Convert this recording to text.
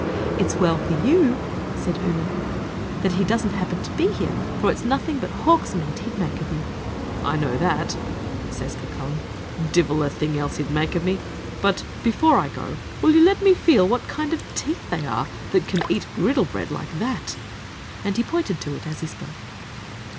"It's well for you," said Oonagh, "that he doesn't happen to be here, for it's nothing but hawk's meat he'd make of you." "I know that," says Cucullin; "divil a thing else he'd make of me; but before I go, will you let me feel what kind of teeth they are that can eat griddle bread like that?" and he pointed to it as he spoke.